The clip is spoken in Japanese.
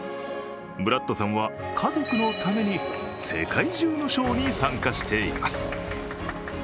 ブラッドさんは家族のために世界中のショーに参加しています。